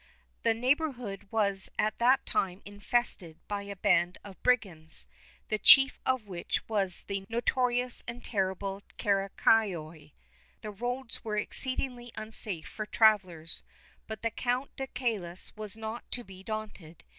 The neighbourhood was at that time infested by a band of brigands, the chief of which was the notorious and terrible Caracayoli. The roads were exceedingly unsafe for travellers; but the Count de Caylus was not to be daunted.